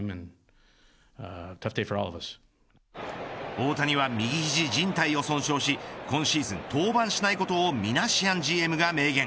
大谷は右肘靭帯を損傷し今シーズン、登板しないことをミナシアンＧＭが明言。